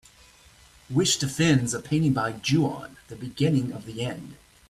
Wish to fins a painting by Ju-On: The Beginning of the End